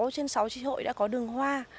sáu trên sáu trí hội đã có đường hoa